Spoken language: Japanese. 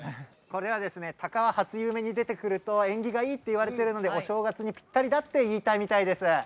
タカは初夢に出てくると縁起がいいといわれているのでお正月にぴったりだと言いたいみたいです。